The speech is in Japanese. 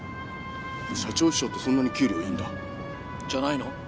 社長秘書ってそんなに給料いいんだ？じゃないの？